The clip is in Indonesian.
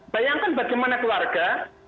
bayangkan bagaimana keluarga